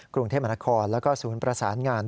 กรุงเทพมหานครแล้วก็ศูนย์ประสานงาน